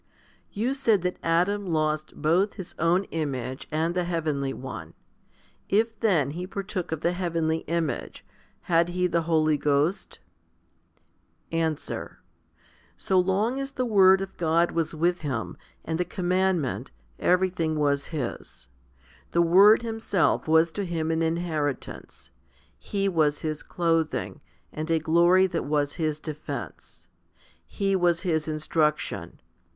You said that Adam lost both his own image and the heavenly one. If then he partook of the heavenly image, had he the Holy Ghost? Answer. So long as the Word of God was with him, and 1 Heb. xi. 37 ff. 2 j Cor j v> . a l c or x j t It 92 FIFTY SPIRITUAL HOMILIES the commandment, everything was his. The Word Himself was to him an inheritance ; He was his clothing, and a glory that was his defence ; x He was his instruction.